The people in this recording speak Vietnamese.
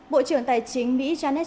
bộ trưởng tài chính mỹ janet yellen cho biết